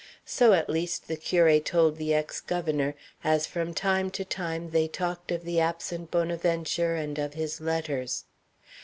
So, at least, the curé told the ex governor, as from time to time they talked of the absent Bonaventure and of his letters.